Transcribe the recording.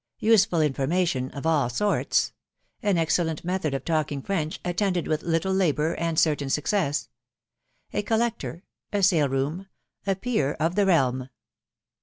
—USEFUL INFORMATION OF ALL SORTS. AN EXCELLENT METHOD OF TALKING FRENCH, AT TENDED WITH LITTLE LABOUR AND CERTAIN SUCCESS.— A COLLECTOR. ~A SALE ROOM. A PEER OF THE REALM.